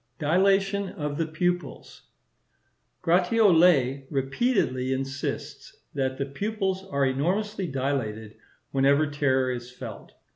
Dilatation of the Pupils.—Gratiolet repeatedly insists that the pupils are enormously dilated whenever terror is felt.